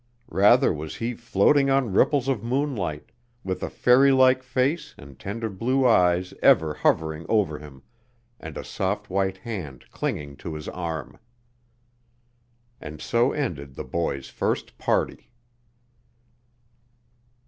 Rather was he floating on ripples of moonlight, with a fairy like face and tender blue eyes ever hovering over him, and a soft white hand clinging to his arm. And so ended the boy's first party.